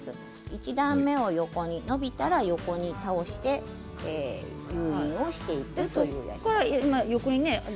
１段目を横に伸びたら横に倒して誘引していくやり方です。